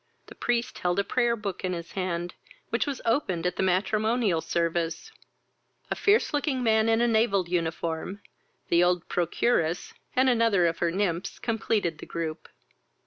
The priest held a prayer book in his hand, which was opened at the matrimonial service. A fierce looking man in a naval uniform, the old procuress, and another of her nymphs completed the group.